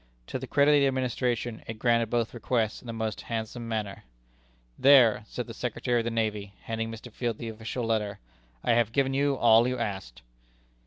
To the credit of the administration, it granted both requests in the most handsome manner. "There," said the Secretary of the Navy, handing Mr. Field the official letter, "I have given you all you asked."